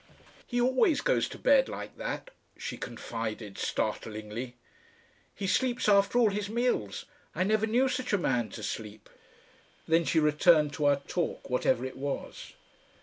"He always goes to bed like that," she confided startlingly. "He sleeps after all his meals. I never knew such a man to sleep." Then she returned to our talk, whatever it was.